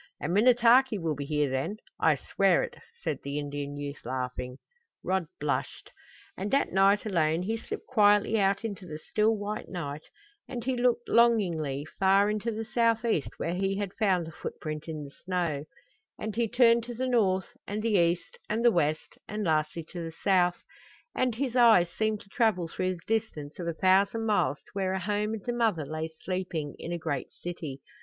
"And Minnetaki will be here then I swear it!" said the Indian youth, laughing. Rod blushed. And that night alone he slipped quietly out into the still, white night; and he looked, longingly, far into the southeast where he had found the footprint in the snow; and he turned to the north, and the east, and the west, and lastly to the south, and his eyes seemed to travel through the distance of a thousand miles to where a home and a mother lay sleeping in a great city.